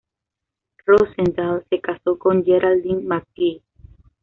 Rosenthal se casó con Geraldine McGee.